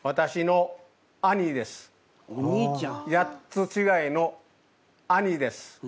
８つちがいの兄です。